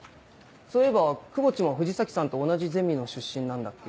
そういえば窪地も藤崎さんと同じゼミの出身なんだっけ？